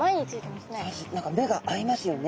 何か目が合いますよね。